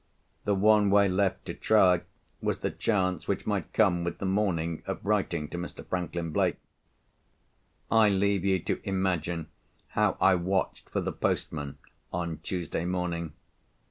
The one way left to try was the chance, which might come with the morning, of writing to Mr. Franklin Blake. I leave you to imagine how I watched for the postman on Tuesday morning.